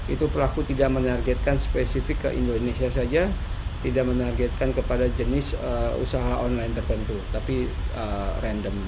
itu pelaku tidak menargetkan spesifik ke indonesia saja tidak menargetkan kepada jenis usaha online tertentu tapi random